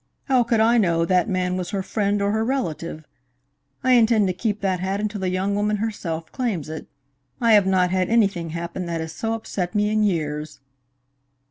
How could I know that man was her friend or her relative? I intend to keep that hat until the young woman herself claims it. I have not had anything happen that has so upset me in years."